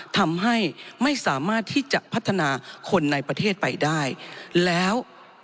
ทำให้ไม่สามารถที่จะพัฒนาคนในประเทศไปได้แล้ว